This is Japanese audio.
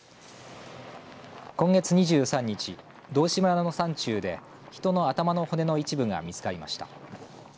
今月２３日道志村の山中で人の頭の骨の一部が見つかりました。